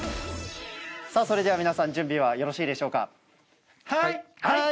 それでは皆さん準備はよろしいでしょうか？